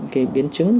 cái biến chứng